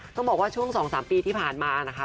ต้องบอกว่าช่วง๒๓ปีที่ผ่านมานะคะ